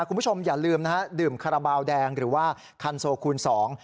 คุณผู้ชมอย่าลืมนะฮะดื่มคาราบาลแดงหรือว่าคันโซคูณสอง